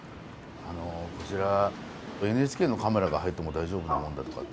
こちらＮＨＫのカメラが入っても大丈夫なもんだとかって。